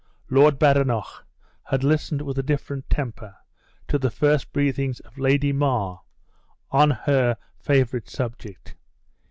Lord Badenoch had listened with a different temper to the first breathings of Lady Mar on her favorite subject.